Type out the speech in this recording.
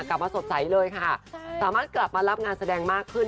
กลับมาสดใสเลยค่ะสามารถกลับมารับงานแสดงมากขึ้น